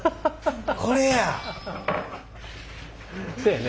これや！